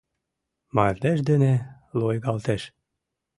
Мардеж дене лойгалтеш.